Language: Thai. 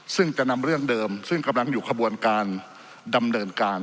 ซึ่งจะนำเรื่องเดิมซึ่งกำลังอยู่ขบวนการดำเนินการ